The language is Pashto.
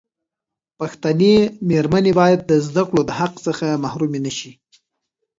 پښتنې مېرمنې باید د زدکړو دحق څخه محرومي نشي.